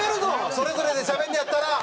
それぞれでしゃべんねやったら！